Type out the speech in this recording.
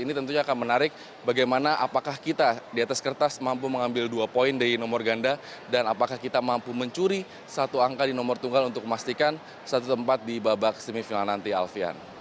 ini tentunya akan menarik bagaimana apakah kita di atas kertas mampu mengambil dua poin di nomor ganda dan apakah kita mampu mencuri satu angka di nomor tunggal untuk memastikan satu tempat di babak semifinal nanti alfian